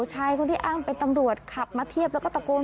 ชายคนที่อ้างเป็นตำรวจขับมาเทียบแล้วก็ตะโกน